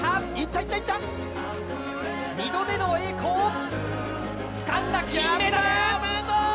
２度目の栄光つかんだ金メダル！